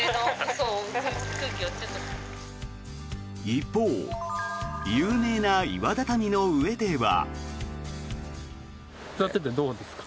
一方、有名な岩畳の上では。